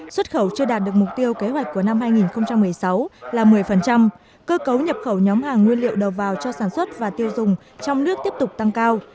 xuất khẩu chưa đạt được mục tiêu kế hoạch của năm hai nghìn một mươi sáu là một mươi cơ cấu nhập khẩu nhóm hàng nguyên liệu đầu vào cho sản xuất và tiêu dùng trong nước tiếp tục tăng cao